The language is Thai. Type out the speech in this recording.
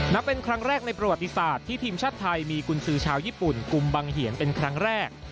นับเป็นครั้งแรกในประวัติศาสตร์ที่ทีมชาติไทยมีกุญสือชาวญี่ปุ่นกุมบังเหียนเป็นครั้งแรก